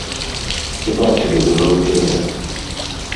Ці бачылі вы галубяня?